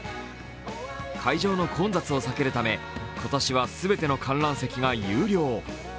会場の混雑を避けるため、今年は全ての観覧席が有料。